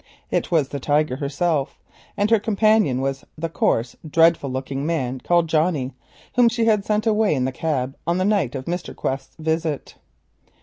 It was the Tiger herself, and her companion was the coarse, dreadful looking man called Johnnie, whom she had sent away in the cab on the night of Mr. Quest's visit.